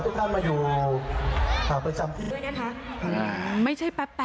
ดึงเด็กออกก่อนเนี่ย